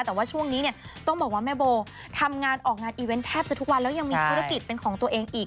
แต่ว่าช่วงนี้เนี่ยต้องบอกว่าแม่โบทำงานออกงานอีเวนต์แทบจะทุกวันแล้วยังมีธุรกิจเป็นของตัวเองอีก